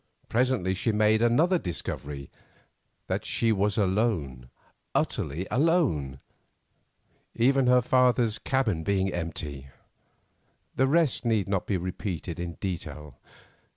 Presently she made another discovery, that she was alone, utterly alone, even her father's cabin being untenanted. The rest need not be repeated in detail.